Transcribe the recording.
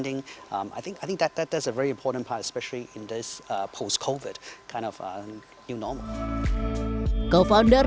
dan ketika kita bertemu dengan lebih banyak bisnis kita belajar lebih banyak